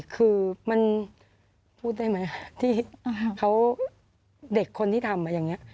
คือมันพูดได้ไหมที่เขาเด็กคนที่ทำอย่างนี้